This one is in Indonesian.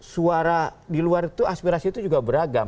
suara di luar itu aspirasi itu juga beragam